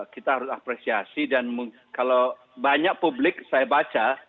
kita harus apresiasi dan kalau banyak publik saya baca